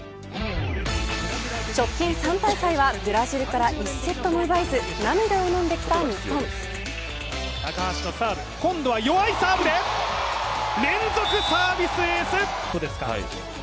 直近３大会はブラジルから１セットも奪えず高橋のサービ今度は弱いサーブで連続サービスエース。